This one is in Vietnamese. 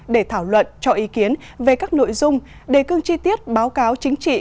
để thảo luận cho ý kiến về các nội dung đề cương chi tiết báo cáo chính trị